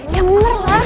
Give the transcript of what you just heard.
ya bener lah